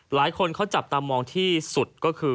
หลายคนเขาจับตามองที่สุด